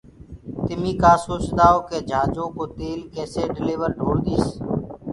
تميٚ ڪآ سوچدآئو ڪيِ جھآجو ڪو تيل ڪيسي ڊليور ڍوݪديس